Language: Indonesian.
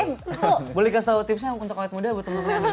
eh boleh kasih tau tipsnya untuk awet muda buat temen temen yang belumnya